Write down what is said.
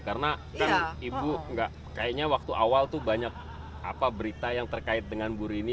karena ibu kayaknya waktu awal banyak berita yang terkait dengan bur ini